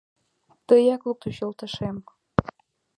Тыяк луктыч, йолташем.